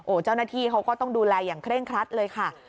เจ้าหน้าที่เขาก็ต้องดูแลอย่างเคร่งครัดเลยค่ะ